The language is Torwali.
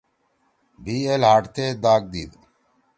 بھی اے لھاڑ تے داگ دیِد۔